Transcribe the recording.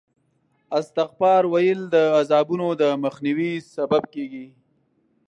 استغفار ویل د عذابونو د مخنیوي سبب کېږي.